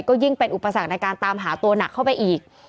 ก็ยิ่งเป็นอุปสรรคในการตามหาตัวหนักเข้าไปอีก